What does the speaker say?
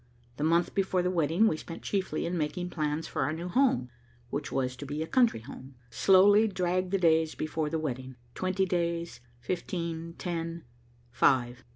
The month before the wedding we spent chiefly in making plans for our new home, which was to be a country home. Slowly dragged the days before the wedding, twenty days, fifteen, ten, five.